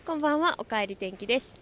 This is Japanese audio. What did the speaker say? おかえり天気です。